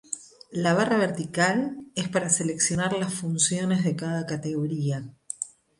La barra vertical es para seleccionar las funciones de cada categoría.